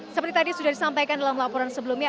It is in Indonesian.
seperti tadi sudah disampaikan dalam laporan sebelumnya